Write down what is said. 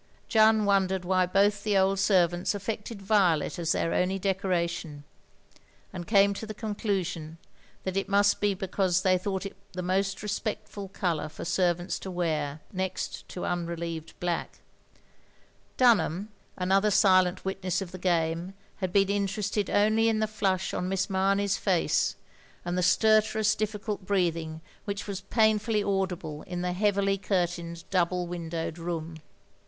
Jeanne wondered why both the old servants affected violet as their only decoration, 'and came to the conclusion that it must be because they thought it the most respectful colour for servants to wear, next to tmrelieved black. Dtmham, another silent witness of the game, had been interested only in the flush on Miss Mamey's face, and the stertorous difficult breathing which OP GROSVENOR SQUARE ii was painfully audible in the heavily curtained double windowed room.